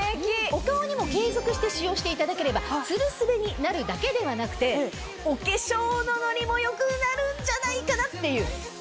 お顔にも継続して使用していただければツルスベになるだけではなくてお化粧のノリも良くなるんじゃないかなっていう。